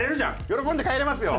喜んで帰れますよ。